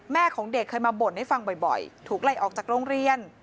ของเด็กเคยมาบ่นให้ฟังบ่อยถูกไล่ออกจากโรงเรียน